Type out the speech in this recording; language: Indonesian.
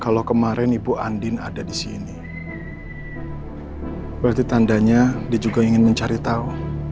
kalau kemarin ibu andin ada di sini berarti tandanya dia juga ingin mencari tahu